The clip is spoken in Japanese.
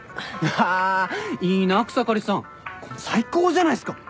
あいいな草刈さん最高じゃないっすか。